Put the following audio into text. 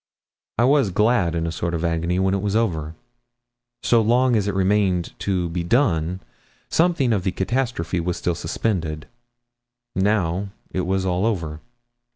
I was glad in a sort of agony when it was over. So long as it remained to be done, something of the catastrophe was still suspended. Now it was all over.